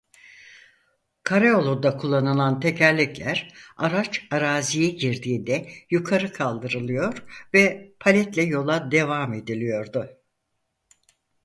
Karayolunda kullanılan tekerlekler araç araziye girdiğinde yukarı kaldırılıyor ve paletle yola devam ediliyordu.